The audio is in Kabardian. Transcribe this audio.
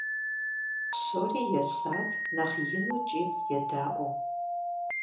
Псори есат нэхъ ину кӀийм едаӀуэу.